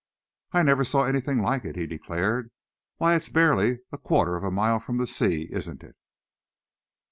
"I never saw anything like it," he declared. "Why, it's barely a quarter of a mile from the sea, isn't it?"